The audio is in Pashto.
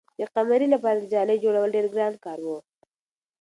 د قمرۍ لپاره د ځالۍ جوړول ډېر ګران کار و.